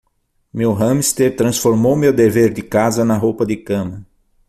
Meu hamster transformou meu dever de casa na roupa de cama.